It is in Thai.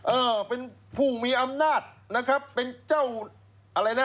เออเป็นผู้มีอำนาจนะครับเป็นเจ้าอะไรนะ